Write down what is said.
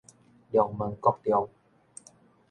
龍門國中